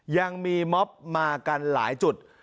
ยังมีม็อบมากันหลายจุด